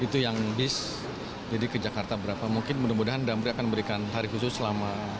itu yang bis jadi ke jakarta berapa mungkin mudah mudahan damri akan memberikan hari khusus selama